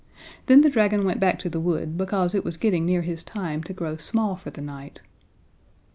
Then the dragon went back to the wood, because it was getting near his time to grow small for the night.